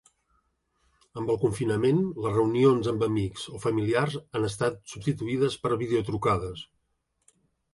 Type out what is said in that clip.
Amb el confinament, les reunions amb amics o familiars han estat substituïdes per videotrucades.